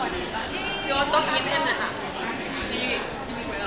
โอเคขอบคุณค่ะพี่โอ้